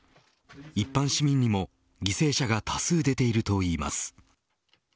一般市民にも犠牲者が多数出ているといいます。